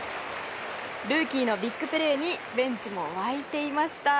ルーキーのビッグプレーにベンチも沸いていました。